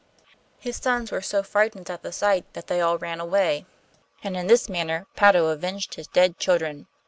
His sons were so frightened at the sight that they all ran away. And in this manner Patto avenged his dead children.